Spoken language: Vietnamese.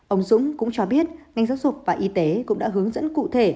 ông dũng cũng cho biết ngành giáo dục và y tế cũng đã hướng dẫn cụ thể